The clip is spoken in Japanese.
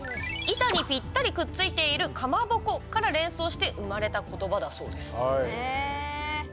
板にぴったりくっついているかまぼこから連想して生まれた言葉だそうです。